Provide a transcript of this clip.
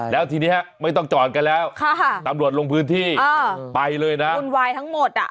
แล้วทีนี้ไม่ต้องจอดกันแล้วตำรวจลงพื้นที่ไปเลยนะวุ่นวายทั้งหมดอ่ะ